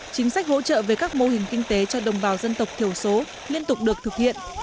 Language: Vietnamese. chính sách hỗ trợ về các mô hình kinh tế cho đồng bào dân tộc thiểu số liên tục được thực hiện